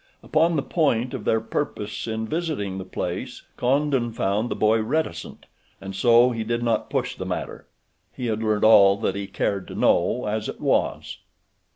Upon the point of their purpose in visiting the place Condon found the boy reticent, and so he did not push the matter—he had learned all that he cared to know as it was.